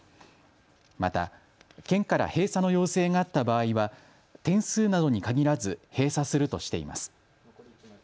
また県から閉鎖の要請があった場合は点数などに限らず閉鎖するとしています。